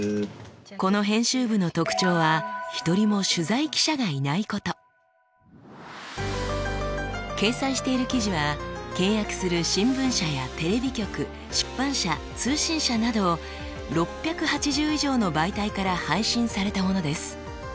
この編集部の特徴は掲載している記事は契約する新聞社やテレビ局出版社通信社など６８０以上の媒体から配信されたものです。